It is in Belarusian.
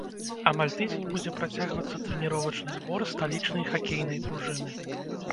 Амаль тыдзень будзе працягвацца трэніровачны збор сталічнай хакейнай дружыны.